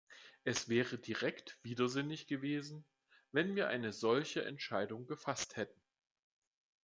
Es wäre direkt widersinnig gewesen, wenn wir eine solche Entscheidung gefasst hätten.